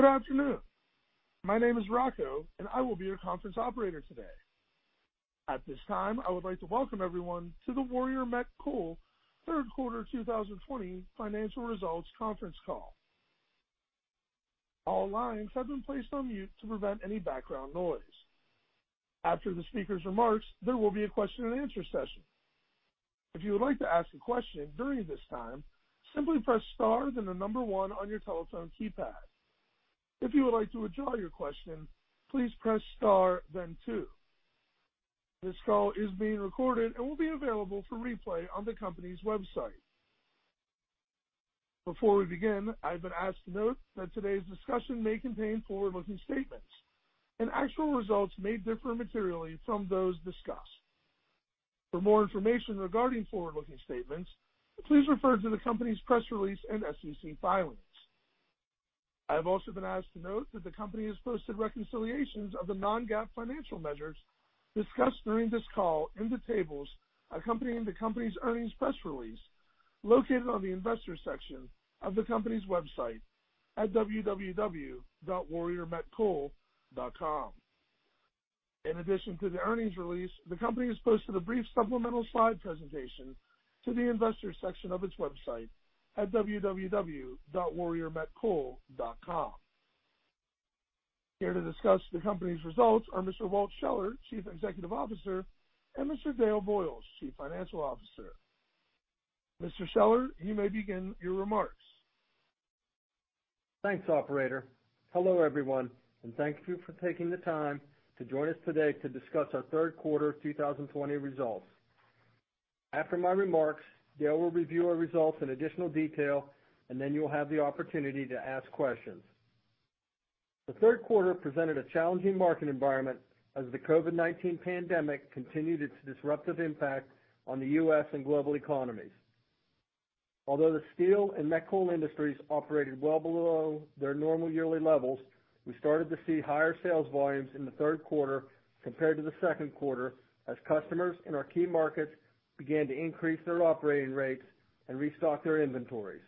Good afternoon. My name is Rocco and I will be your conference operator today. At this time, I would like to welcome everyone to the Warrior Met Coal Third Quarter 2020 Financial Results Conference Call. All lines have been placed on mute to prevent any background noise. After the speaker's remarks, there will be a question and answer session. If you would like to ask a question during this time, simply press star then the number one on your telephone keypad. If you would like to withdraw your question, please press star then two. This call is being recorded and will be available for replay on the company's website. Before we begin, I've been asked to note that today's discussion may contain forward-looking statements, and actual results may differ materially from those discussed. For more information regarding forward-looking statements, please refer to the company's press release and SEC filings. I've also been asked to note that the company has posted reconciliations of the non-GAAP financial measures discussed during this call in the tables accompanying the company's earnings press release located on the investor section of the company's website at www.warriormetcoal.com. In addition to the earnings release, the company has posted a brief supplemental slide presentation to the investor section of its website at www.warriormetcoal.com. Here to discuss the company's results are Mr. Walt Scheller, Chief Executive Officer, and Mr. Dale Boyles, Chief Financial Officer. Mr. Scheller, you may begin your remarks. Thanks, Operator. Hello everyone, and thank you for taking the time to join us today to discuss our third quarter 2020 results. After my remarks, Dale will review our results in additional detail, and then you'll have the opportunity to ask questions. The third quarter presented a challenging market environment as the COVID-19 pandemic continued its disruptive impact on the U.S. and global economies. Although the steel and met coal industries operated well below their normal yearly levels, we started to see higher sales volumes in the third quarter compared to the second quarter as customers in our key markets began to increase their operating rates and restock their inventories.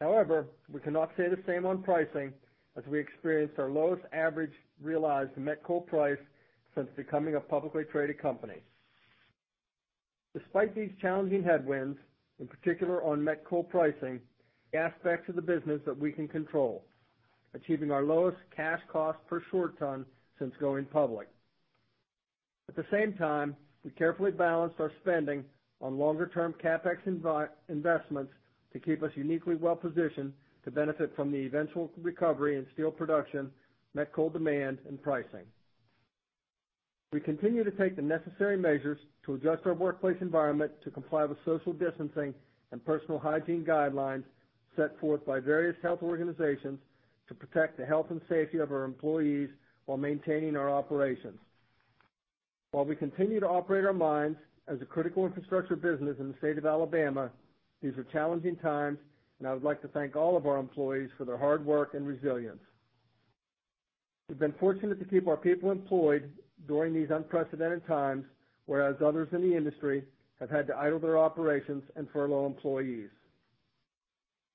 However, we cannot say the same on pricing as we experienced our lowest average realized met coal price since becoming a publicly traded company. Despite these challenging headwinds, in particular on met coal pricing, aspects of the business that we can control, achieving our lowest cash cost per short ton since going public. At the same time, we carefully balanced our spending on longer-term CapEx investments to keep us uniquely well positioned to benefit from the eventual recovery in steel production, met coal demand, and pricing. We continue to take the necessary measures to adjust our workplace environment to comply with social distancing and personal hygiene guidelines set forth by various health organizations to protect the health and safety of our employees while maintaining our operations. While we continue to operate our mines as a critical infrastructure business in the state of Alabama, these are challenging times, and I would like to thank all of our employees for their hard work and resilience. We've been fortunate to keep our people employed during these unprecedented times, whereas others in the industry have had to idle their operations and furlough employees.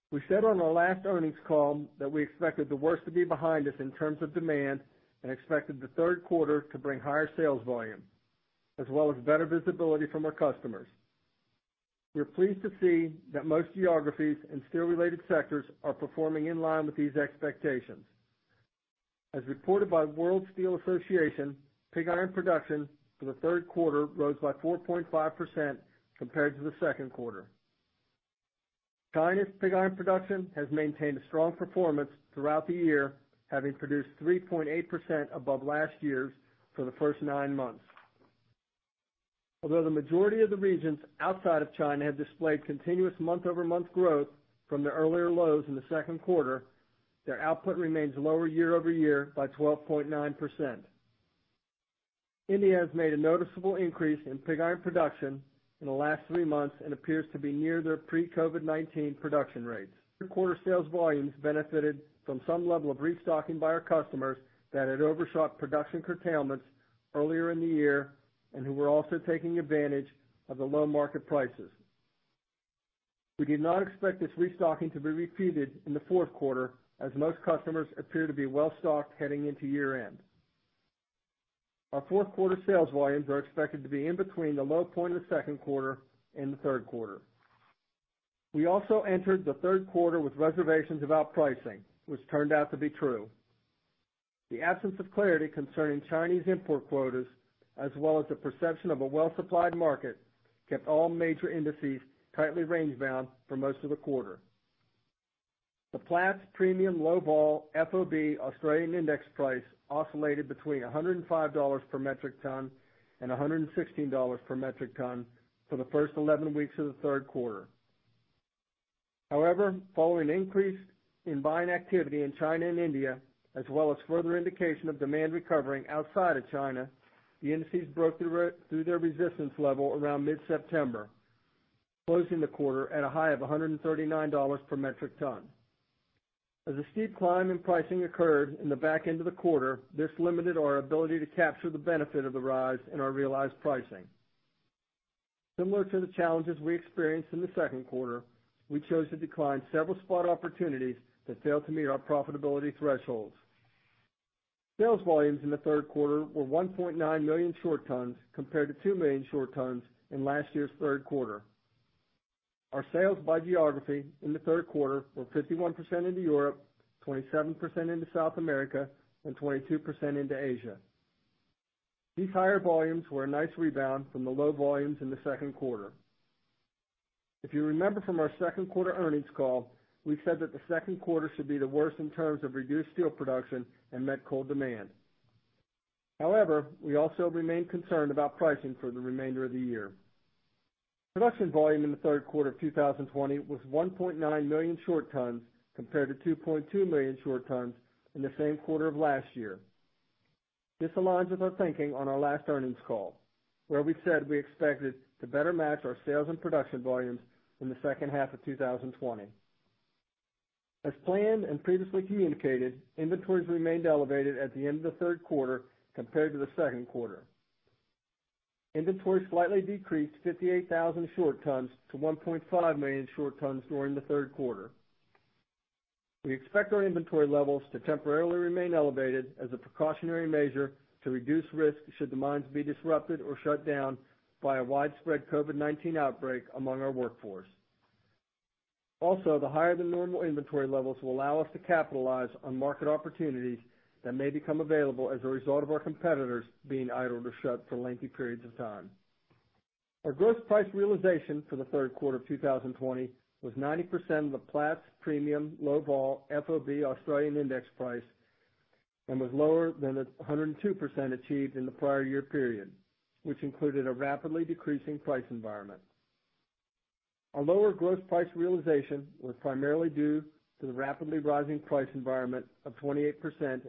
We said on our last earnings call that we expected the worst to be behind us in terms of demand and expected the Third Quarter to bring higher sales volume, as well as better visibility from our customers. We're pleased to see that most geographies and steel-related sectors are performing in line with these expectations. As reported by World Steel Association, pig iron production for the Third Quarter rose by 4.5% compared to the Second Quarter. Chinese pig iron production has maintained a strong performance throughout the year, having produced 3.8% above last year's for the first nine months. Although the majority of the regions outside of China have displayed continuous month-over-month growth from their earlier lows in the second quarter, their output remains lower year-over-year by 12.9%. India has made a noticeable increase in pig iron production in the last three months and appears to be near their pre-COVID-19 production rates. Quarter sales volumes benefited from some level of restocking by our customers that had overshot production curtailments earlier in the year and who were also taking advantage of the low market prices. We did not expect this restocking to be repeated in the fourth quarter, as most customers appear to be well stocked heading into year-end. Our fourth quarter sales volumes are expected to be in between the low point of the second quarter and the third quarter. We also entered the third quarter with reservations about pricing, which turned out to be true. The absence of clarity concerning Chinese import quotas, as well as the perception of a well-supplied market, kept all major indices tightly rangebound for most of the quarter. The Platts Premium Low Vol FOB Australian Index Price oscillated between $105 per metric ton and $116 per metric ton for the first 11 weeks of the third quarter. However, following an increase in buying activity in China and India, as well as further indication of demand recovering outside of China, the indices broke through their resistance level around mid-September, closing the quarter at a high of $139 per metric ton. As a steep climb in pricing occurred in the back end of the quarter, this limited our ability to capture the benefit of the rise in our realized pricing. Similar to the challenges we experienced in the second quarter, we chose to decline several spot opportunities that failed to meet our profitability thresholds. Sales volumes in the third quarter were 1.9 million short tons compared to 2 million short tons in last year's third quarter. Our sales by geography in the third quarter were 51% into Europe, 27% into South America, and 22% into Asia. These higher volumes were a nice rebound from the low volumes in the second quarter. If you remember from our second quarter earnings call, we said that the second quarter should be the worst in terms of reduced steel production and met coal demand. However, we also remained concerned about pricing for the remainder of the year. Production volume in the third quarter of 2020 was 1.9 million short tons compared to 2.2 million short tons in the same quarter of last year. This aligns with our thinking on our last earnings call, where we said we expected to better match our sales and production volumes in the second half of 2020. As planned and previously communicated, inventories remained elevated at the end of the third quarter compared to the second quarter. Inventory slightly decreased 58,000 short tons to 1.5 million short tons during the third quarter. We expect our inventory levels to temporarily remain elevated as a precautionary measure to reduce risk should the mines be disrupted or shut down by a widespread COVID-19 outbreak among our workforce. Also, the higher than normal inventory levels will allow us to capitalize on market opportunities that may become available as a result of our competitors being idled or shut for lengthy periods of time. Our gross price realization for the third quarter of 2020 was 90% of the Platts Premium Low Vol FOB Australian Index Price and was lower than the 102% achieved in the prior year period, which included a rapidly decreasing price environment. Our lower gross price realization was primarily due to the rapidly rising price environment of 28%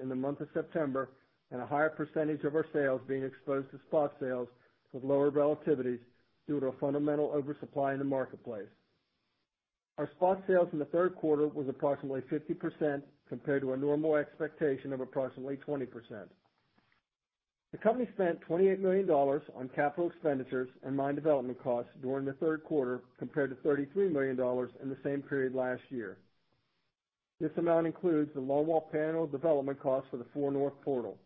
in the month of September and a higher percentage of our sales being exposed to spot sales with lower relativities due to a fundamental oversupply in the marketplace. Our spot sales in the third quarter was approximately 50% compared to a normal expectation of approximately 20%. The company spent $28 million on capital expenditures and mine development costs during the third quarter compared to $33 million in the same period last year. This amount includes the longwall panel development costs for the Four North Portal.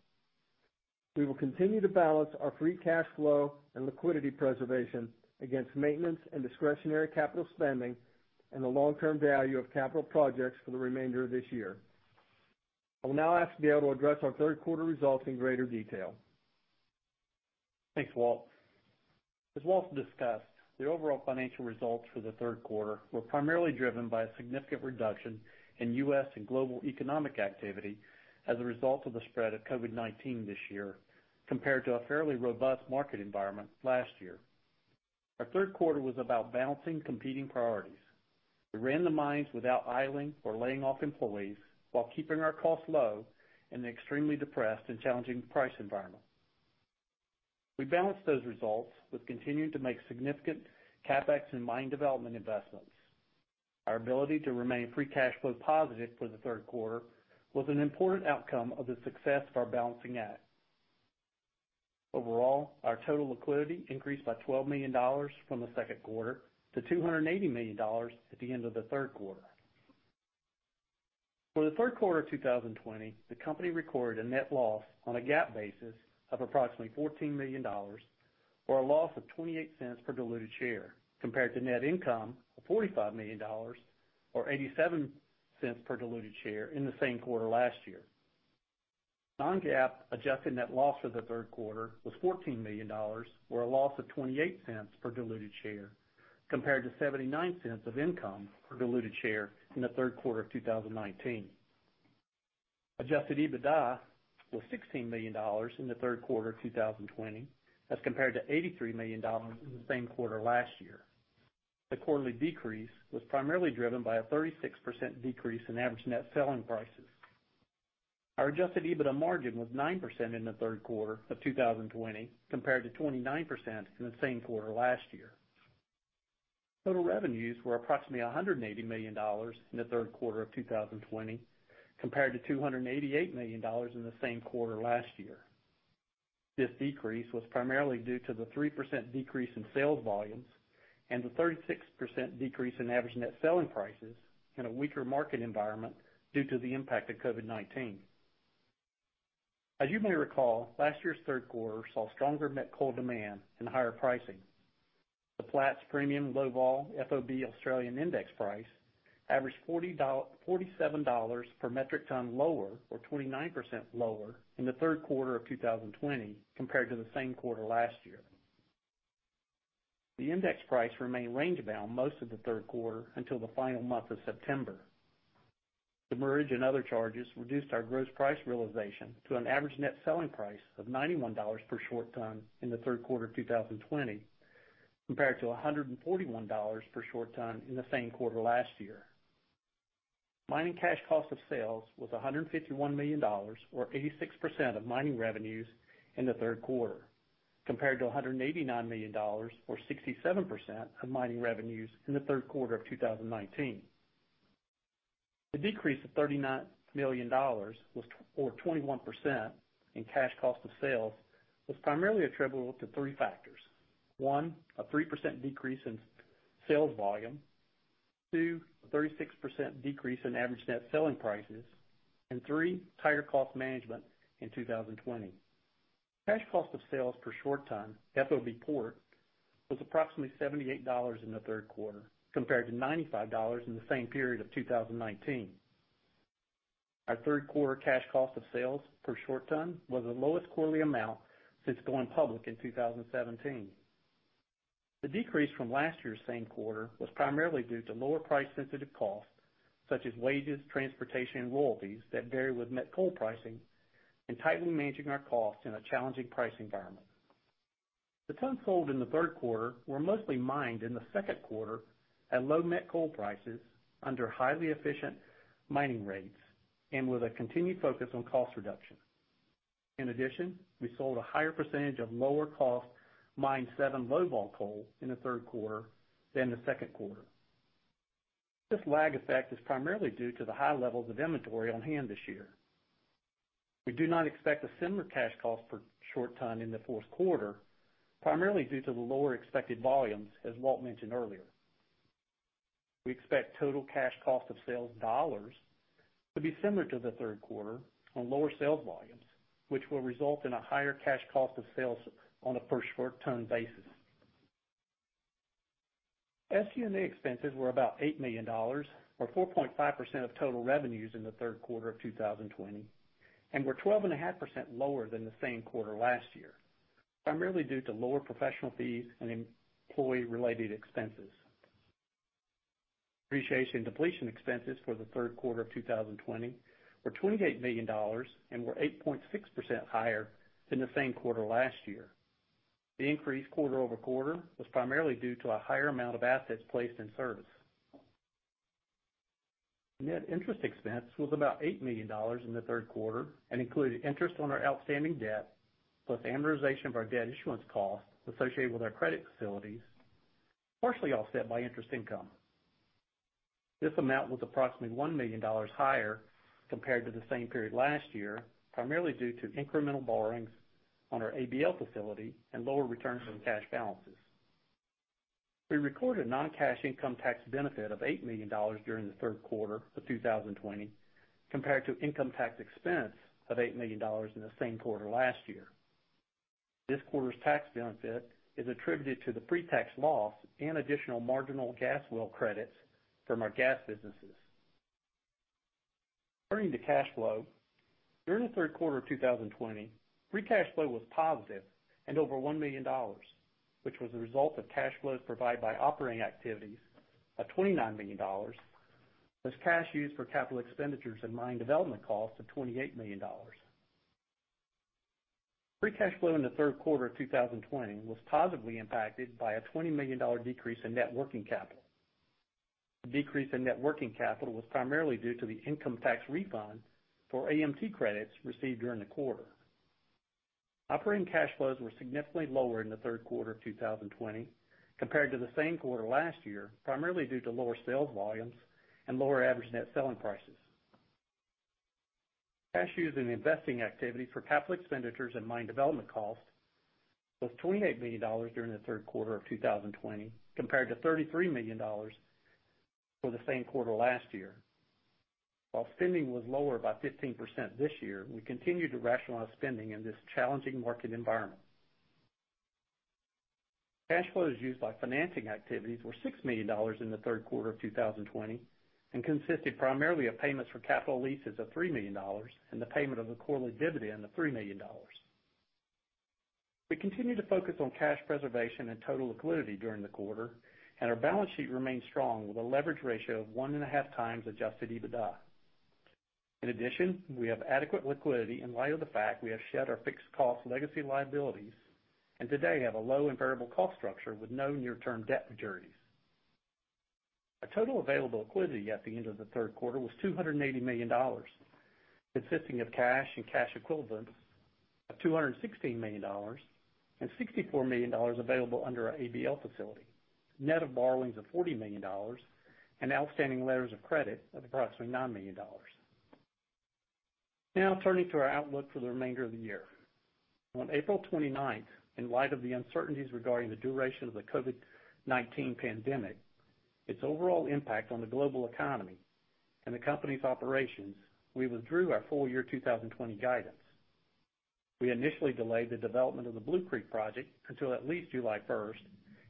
We will continue to balance our free cash flow and liquidity preservation against maintenance and discretionary capital spending and the long-term value of capital projects for the remainder of this year. I will now ask Dale to address our third quarter results in greater detail. Thanks, Walt. As Walt discussed, the overall financial results for the third quarter were primarily driven by a significant reduction in U.S. and global economic activity as a result of the spread of COVID-19 this year compared to a fairly robust market environment last year. Our third quarter was about balancing competing priorities. We ran the mines without idling or laying off employees while keeping our costs low in an extremely depressed and challenging price environment. We balanced those results with continuing to make significant CapEx and mine development investments. Our ability to remain free cash flow positive for the third quarter was an important outcome of the success of our balancing act. Overall, our total liquidity increased by $12 million from the second quarter to $280 million at the end of the third quarter. For the Third Quarter of 2020, the company recorded a net loss on a GAAP basis of approximately $14 million, or a loss of $0.28 per diluted share, compared to net income of $45 million, or $0.87 per diluted share in the same quarter last year. Non-GAAP adjusted net loss for the Third Quarter was $14 million, or a loss of $0.28 per diluted share, compared to $0.79 of income per diluted share in the Third Quarter of 2019. Adjusted EBITDA was $16 million in the Third Quarter of 2020, as compared to $83 million in the same quarter last year. The quarterly decrease was primarily driven by a 36% decrease in average net selling prices. Our adjusted EBITDA margin was 9% in the Third Quarter of 2020, compared to 29% in the same quarter last year. Total revenues were approximately $180 million in the third quarter of 2020, compared to $288 million in the same quarter last year. This decrease was primarily due to the 3% decrease in sales volumes and the 36% decrease in average net selling prices in a weaker market environment due to the impact of COVID-19. As you may recall, last year's third quarter saw stronger met coal demand and higher pricing. The Platts Premium Low Vol FOB Australian Index Price averaged $47 per metric ton lower, or 29% lower, in the third quarter of 2020 compared to the same quarter last year. The index price remained rangebound most of the third quarter until the final month of September. The marriage and other charges reduced our gross price realization to an average net selling price of $91 per short ton in the third quarter of 2020, compared to $141 per short ton in the same quarter last year. Mining cash cost of sales was $151 million, or 86% of mining revenues in the third quarter, compared to $189 million, or 67% of mining revenues in the third quarter of 2019. The decrease of $39 million or 21% in cash cost of sales was primarily attributable to three factors: one, a 3% decrease in sales volume; two, a 36% decrease in average net selling prices; and three, tighter cost management in 2020. Cash cost of sales per short ton, FOB port, was approximately $78 in the third quarter, compared to $95 in the same period of 2019. Our third quarter cash cost of sales per short ton was the lowest quarterly amount since going public in 2017. The decrease from last year's same quarter was primarily due to lower price-sensitive costs, such as wages, transportation, and royalties that vary with met coal pricing, and tightly managing our costs in a challenging price environment. The tons sold in the third quarter were mostly mined in the second quarter at low met coal prices under highly efficient mining rates and with a continued focus on cost reduction. In addition, we sold a higher percentage of lower-cost Mine 7 Low Vol coal in the third quarter than the second quarter. This lag effect is primarily due to the high levels of inventory on hand this year. We do not expect a similar cash cost per short ton in the fourth quarter, primarily due to the lower expected volumes, as Walt mentioned earlier. We expect total cash cost of sales dollars to be similar to the third quarter on lower sales volumes, which will result in a higher cash cost of sales on a per short ton basis. SG&A expenses were about $8 million, or 4.5% of total revenues in the third quarter of 2020, and were 12.5% lower than the same quarter last year, primarily due to lower professional fees and employee-related expenses. Depreciation and depletion expenses for the third quarter of 2020 were $28 million and were 8.6% higher than the same quarter last year. The increase quarter over quarter was primarily due to a higher amount of assets placed in service. Net interest expense was about $8 million in the third quarter and included interest on our outstanding debt, plus amortization of our debt issuance cost associated with our credit facilities, partially offset by interest income. This amount was approximately $1 million higher compared to the same period last year, primarily due to incremental borrowings on our ABL facility and lower returns on cash balances. We recorded a non-cash income tax benefit of $8 million during the third quarter of 2020 compared to income tax expense of $8 million in the same quarter last year. This quarter's tax benefit is attributed to the pre-tax loss and additional marginal gas well credits from our gas businesses. Turning to cash flow, during the Third Quarter of 2020, free cash flow was positive and over $1 million, which was a result of cash flows provided by operating activities of $29 million, plus cash used for capital expenditures and mine development costs of $28 million. Free cash flow in the Third Quarter of 2020 was positively impacted by a $20 million decrease in net working capital. The decrease in net working capital was primarily due to the income tax refund for AMT credits received during the quarter. Operating cash flows were significantly lower in the Third Quarter of 2020 compared to the same quarter last year, primarily due to lower sales volumes and lower average net selling prices. Cash used in investing activities for capital expenditures and mine development costs was $28 million during the Third Quarter of 2020 compared to $33 million for the same quarter last year. While spending was lower by 15% this year, we continued to rationalize spending in this challenging market environment. Cash flows used by financing activities were $6 million in the third quarter of 2020 and consisted primarily of payments for capital leases of $3 million and the payment of the quarterly dividend of $3 million. We continued to focus on cash preservation and total liquidity during the quarter, and our balance sheet remained strong with a leverage ratio of 1.5 times adjusted EBITDA. In addition, we have adequate liquidity in light of the fact we have shed our fixed cost legacy liabilities and today have a low and variable cost structure with no near-term debt maturities. Our total available liquidity at the end of the third quarter was $280 million, consisting of cash and cash equivalents of $216 million and $64 million available under our ABL facility, net of borrowings of $40 million and outstanding letters of credit of approximately $9 million. Now, turning to our outlook for the remainder of the year. On April 29, in light of the uncertainties regarding the duration of the COVID-19 pandemic, its overall impact on the global economy and the company's operations, we withdrew our full year 2020 guidance. We initially delayed the development of the Blue Creek project until at least July 1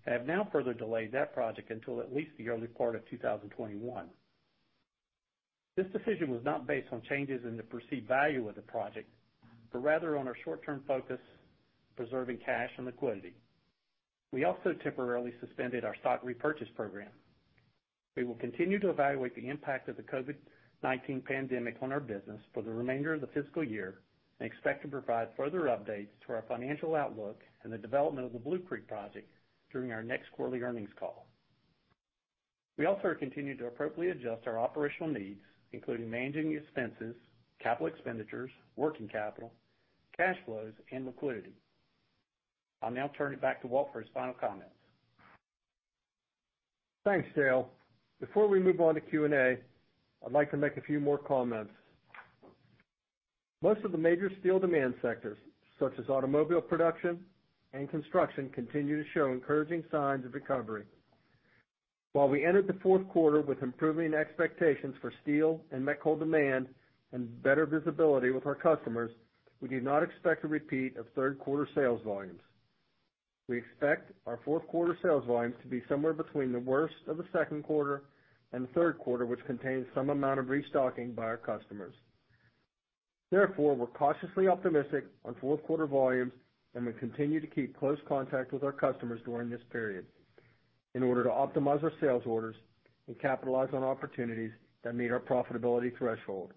and have now further delayed that project until at least the early part of 2021. This decision was not based on changes in the perceived value of the project, but rather on our short-term focus on preserving cash and liquidity. We also temporarily suspended our stock repurchase program. We will continue to evaluate the impact of the COVID-19 pandemic on our business for the remainder of the fiscal year and expect to provide further updates to our financial outlook and the development of the Blue Creek project during our next quarterly earnings call. We also have continued to appropriately adjust our operational needs, including managing expenses, capital expenditures, working capital, cash flows, and liquidity. I'll now turn it back to Walt for his final comments. Thanks, Dale. Before we move on to Q&A, I'd like to make a few more comments. Most of the major steel demand sectors, such as automobile production and construction, continue to show encouraging signs of recovery. While we entered the fourth quarter with improving expectations for steel and met coal demand and better visibility with our customers, we do not expect a repeat of third quarter sales volumes. We expect our fourth quarter sales volumes to be somewhere between the worst of the second quarter and the third quarter, which contains some amount of restocking by our customers. Therefore, we're cautiously optimistic on fourth quarter volumes, and we continue to keep close contact with our customers during this period in order to optimize our sales orders and capitalize on opportunities that meet our profitability threshold.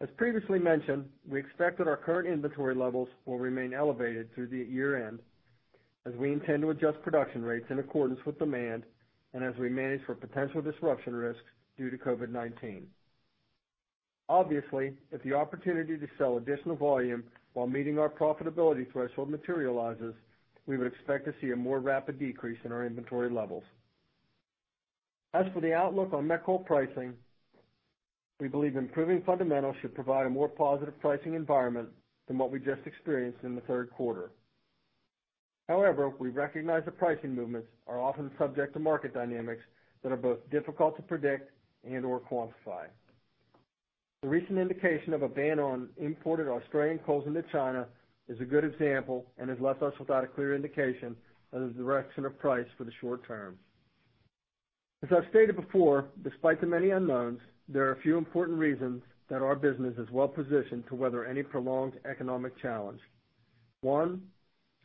As previously mentioned, we expect that our current inventory levels will remain elevated through the year-end, as we intend to adjust production rates in accordance with demand and as we manage for potential disruption risks due to COVID-19. Obviously, if the opportunity to sell additional volume while meeting our profitability threshold materializes, we would expect to see a more rapid decrease in our inventory levels. As for the outlook on met coal pricing, we believe improving fundamentals should provide a more positive pricing environment than what we just experienced in the third quarter. However, we recognize that pricing movements are often subject to market dynamics that are both difficult to predict and/or quantify. The recent indication of a ban on imported Australian coals into China is a good example and has left us without a clear indication of the direction of price for the short term. As I've stated before, despite the many unknowns, there are a few important reasons that our business is well-positioned to weather any prolonged economic challenge. One,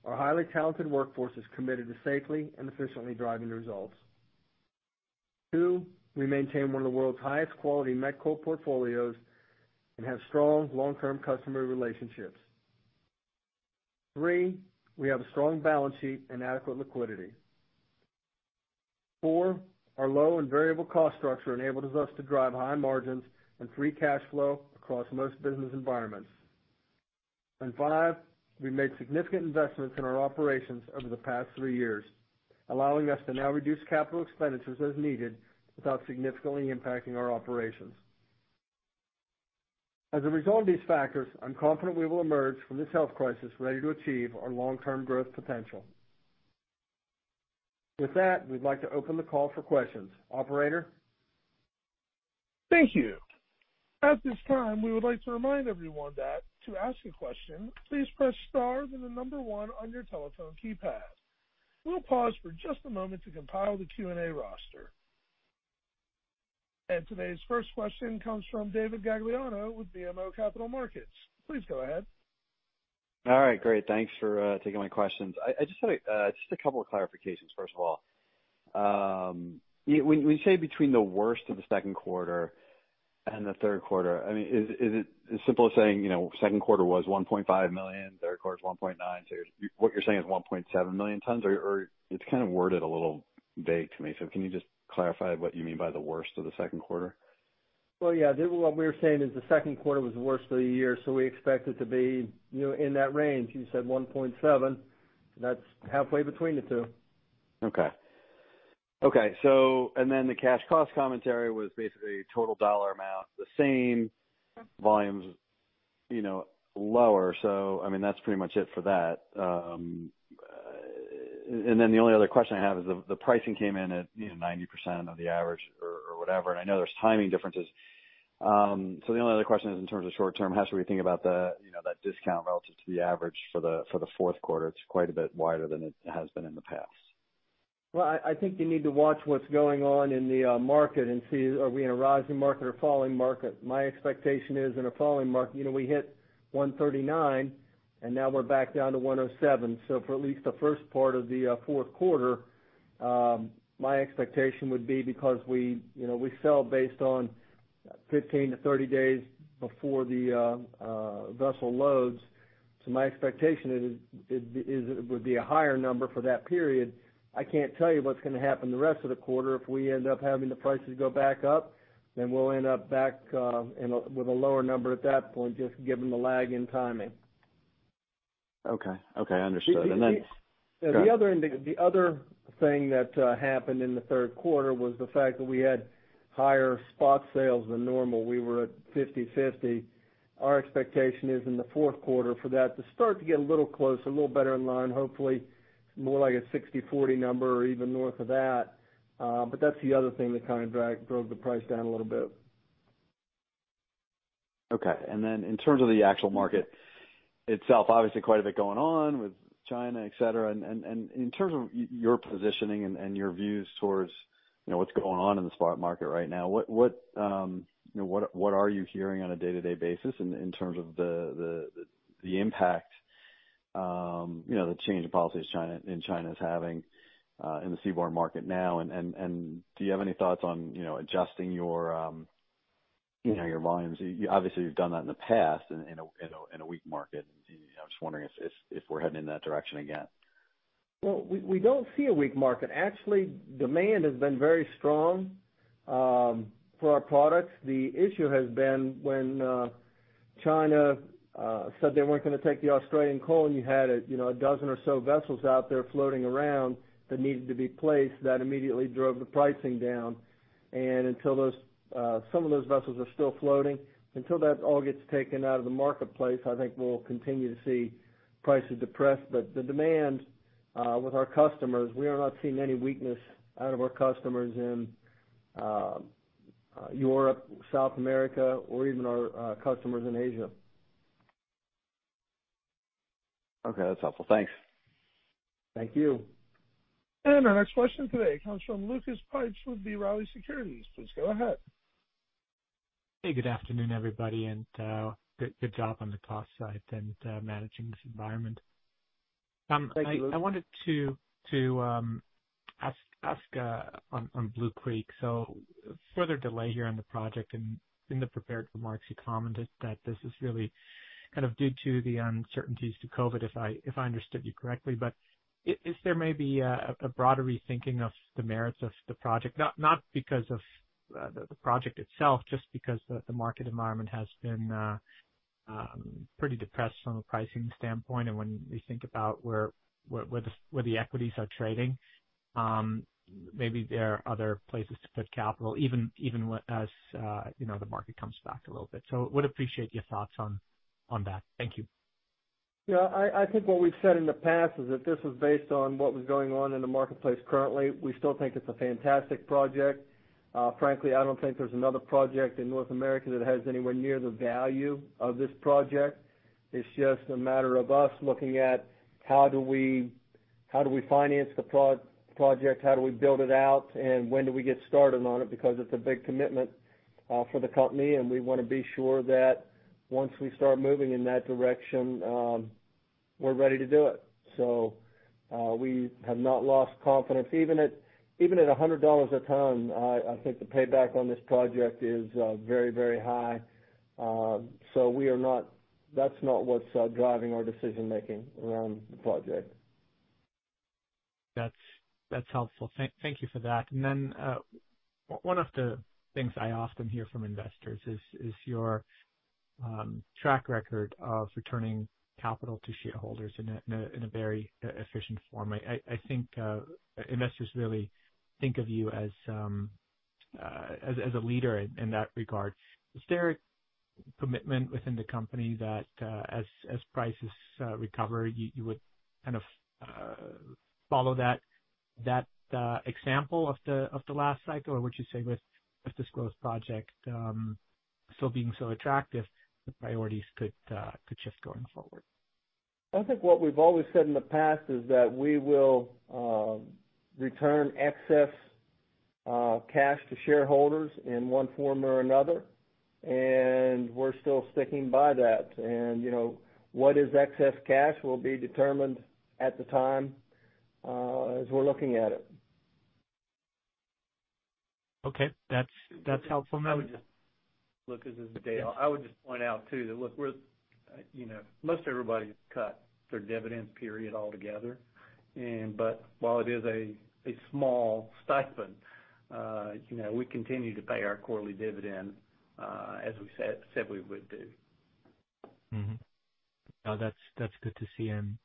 our highly talented workforce is committed to safely and efficiently driving results. Two, we maintain one of the world's highest quality met coal portfolios and have strong long-term customer relationships. Three, we have a strong balance sheet and adequate liquidity. Four, our low and variable cost structure enables us to drive high margins and free cash flow across most business environments. Five, we've made significant investments in our operations over the past three years, allowing us to now reduce capital expenditures as needed without significantly impacting our operations. As a result of these factors, I'm confident we will emerge from this health crisis ready to achieve our long-term growth potential. With that, we'd like to open the call for questions. Operator? Thank you. At this time, we would like to remind everyone that to ask a question, please press star then the number one on your telephone keypad. We'll pause for just a moment to compile the Q&A roster. Today's first question comes from David Gagliano with BMO Capital Markets. Please go ahead. All right. Great. Thanks for taking my questions. I just had a couple of clarifications. First of all, when you say between the worst of the Second Quarter and the Third Quarter, I mean, is it as simple as saying, you know, Second Quarter was 1.5 million, Third Quarter was 1.9, so what you're saying is 1.7 million tons, or it's kind of worded a little vague to me. Can you just clarify what you mean by the worst of the Second Quarter? Yeah, what we were saying is the second quarter was the worst of the year, so we expect it to be in that range. You said 1.7, that's halfway between the two. Okay. Okay. So, and then the cash cost commentary was basically total dollar amount, the same volumes, you know, lower. I mean, that's pretty much it for that. The only other question I have is the pricing came in at 90% of the average or whatever, and I know there's timing differences. The only other question is in terms of short term, how should we think about that discount relative to the average for the fourth quarter? It's quite a bit wider than it has been in the past. I think you need to watch what's going on in the market and see are we in a rising market or falling market. My expectation is in a falling market, you know, we hit $139 and now we're back down to $107. For at least the first part of the fourth quarter, my expectation would be because we sell based on 15 to 30 days before the vessel loads. My expectation is it would be a higher number for that period. I can't tell you what's going to happen the rest of the quarter. If we end up having the prices go back up, then we'll end up back with a lower number at that point, just given the lag in timing. Okay. Okay. Understood. Then. The other thing that happened in the third quarter was the fact that we had higher spot sales than normal. We were at 50/50. Our expectation is in the fourth quarter for that to start to get a little closer, a little better in line, hopefully more like a 60/40 number or even north of that. That is the other thing that kind of drove the price down a little bit. Okay. In terms of the actual market itself, obviously quite a bit going on with China, et cetera. In terms of your positioning and your views towards what's going on in the spot market right now, what are you hearing on a day-to-day basis in terms of the impact, you know, the change in policies in China is having in the seaborne market now? Do you have any thoughts on adjusting your volumes? Obviously, you've done that in the past in a weak market. I'm just wondering if we're heading in that direction again. We do not see a weak market. Actually, demand has been very strong for our products. The issue has been when China said they were not going to take the Australian coal and you had a dozen or so vessels out there floating around that needed to be placed. That immediately drove the pricing down. Until some of those vessels are still floating, until that all gets taken out of the marketplace, I think we will continue to see prices depressed. The demand with our customers, we are not seeing any weakness out of our customers in Europe, South America, or even our customers in Asia. Okay. That's helpful. Thanks. Thank you. Our next question today comes from Lucas Pipes with B. Riley Securities. Please go ahead. Hey, good afternoon, everybody, and good job on the cost side and managing this environment. I wanted to ask on Blue Creek. Further delay here on the project and in the prepared remarks, you commented that this is really kind of due to the uncertainties to COVID, if I understood you correctly. Is there maybe a broader rethinking of the merits of the project, not because of the project itself, just because the market environment has been pretty depressed from a pricing standpoint? When we think about where the equities are trading, maybe there are other places to put capital, even as the market comes back a little bit. I would appreciate your thoughts on that. Thank you. Yeah. I think what we've said in the past is that this was based on what was going on in the marketplace currently. We still think it's a fantastic project. Frankly, I don't think there's another project in North America that has anywhere near the value of this project. It's just a matter of us looking at how do we finance the project, how do we build it out, and when do we get started on it? Because it's a big commitment for the company, and we want to be sure that once we start moving in that direction, we're ready to do it. We have not lost confidence. Even at $100 a ton, I think the payback on this project is very, very high. That's not what's driving our decision-making around the project. That's helpful. Thank you for that. One of the things I often hear from investors is your track record of returning capital to shareholders in a very efficient form. I think investors really think of you as a leader in that regard. Is there a commitment within the company that as prices recover, you would kind of follow that example of the last cycle, or would you say with this growth project still being so attractive, the priorities could shift going forward? I think what we've always said in the past is that we will return excess cash to shareholders in one form or another, and we're still sticking by that. What is excess cash will be determined at the time as we're looking at it. Okay. That's helpful. this is Dale. I would just point out too that, look, most everybody has cut their dividends period altogether. While it is a small stipend, we continue to pay our quarterly dividend as we said we would do. No, that's good to see. And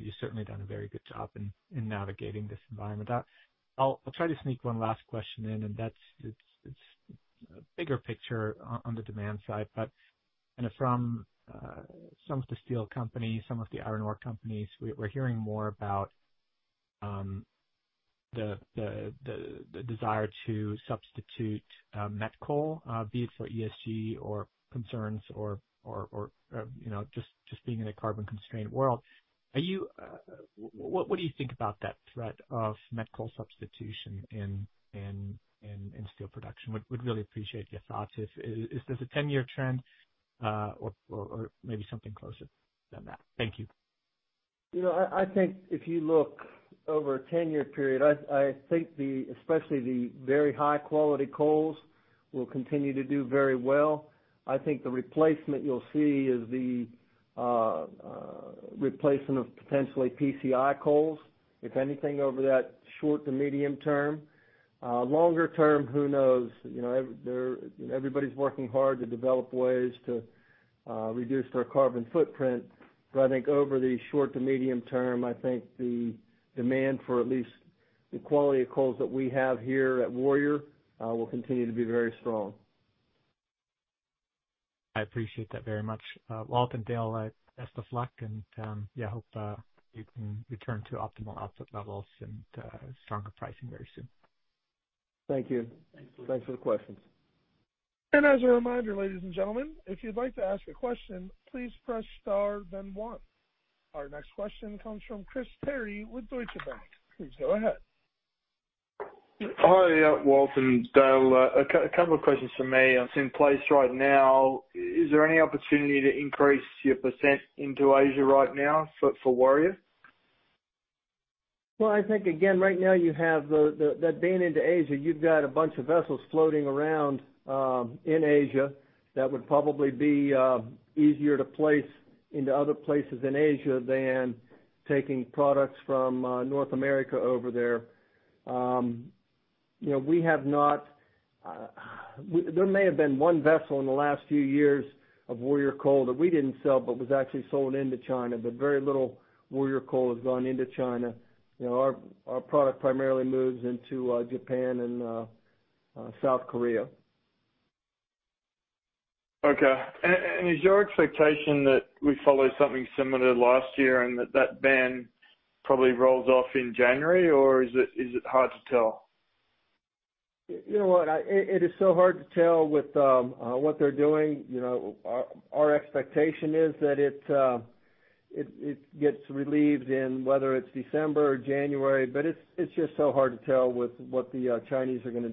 you've certainly done a very good job in navigating this environment. I'll try to sneak one last question in, and it's a bigger picture on the demand side. From some of the steel companies, some of the iron ore companies, we're hearing more about the desire to substitute met coal, be it for ESG concerns or just being in a carbon-constrained world. What do you think about that threat of met coal substitution in steel production? We'd really appreciate your thoughts. Is this a 10-year trend or maybe something closer than that? Thank you. You know, I think if you look over a 10-year period, I think especially the very high-quality coals will continue to do very well. I think the replacement you'll see is the replacement of potentially PCI coals, if anything, over that short to medium term. Longer term, who knows? Everybody's working hard to develop ways to reduce their carbon footprint. I think over the short to medium term, I think the demand for at least the quality of coals that we have here at Warrior will continue to be very strong. I appreciate that very much. Walt and Dale, best of luck. Yeah, I hope you can return to optimal output levels and stronger pricing very soon. Thank you. Thanks for the questions. As a reminder, ladies and gentlemen, if you'd like to ask a question, please press star then one. Our next question comes from Chris Terry with Deutsche Bank. Please go ahead. Hi, Walt and Dale. A couple of questions for me. In place right now, is there any opportunity to increase your percent into Asia right now for Warrior? I think, again, right now you have that being into Asia, you've got a bunch of vessels floating around in Asia that would probably be easier to place into other places in Asia than taking products from North America over there. We have not—there may have been one vessel in the last few years of Warrior coal that we didn't sell but was actually sold into China. Very little Warrior coal has gone into China. Our product primarily moves into Japan and South Korea. Okay. Is your expectation that we follow something similar to last year and that that ban probably rolls off in January, or is it hard to tell? You know what? It is so hard to tell with what they're doing. Our expectation is that it gets relieved in whether it's December or January, but it's just so hard to tell with what the Chinese are going to.